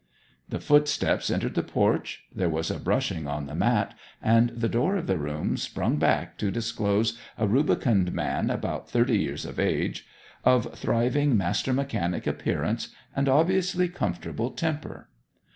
The footsteps entered the porch; there was a brushing on the mat, and the door of the room sprung back to disclose a rubicund man about thirty years of age, of thriving master mechanic appearance and obviously comfortable temper.